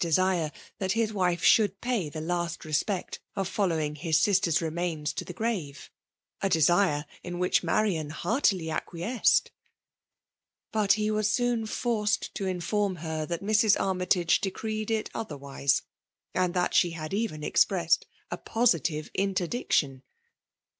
desire that his wife should pay the last respect of following his sister s remains to the grave — 162 FEMALB mmiNATiON. a desire in which Marian heartily aoquiesDed. But he was soon forced to inform her that Mrs. Armytage decreed it otherwise, and that die had even eiqpressed a positive interdic tion.